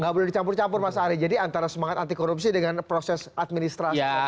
nggak boleh dicampur campur mas ari jadi antara semangat anti korupsi dengan proses administrasi